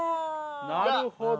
なるほど。